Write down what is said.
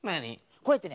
こうやってね